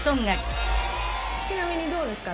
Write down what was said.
ちなみにどうですか？